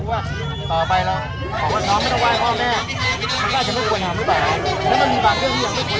แต่มันเป็นการแสดงที่เราแตกต่างจากประเทศอื่นอีก